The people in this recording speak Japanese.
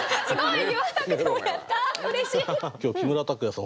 今日木村拓哉さん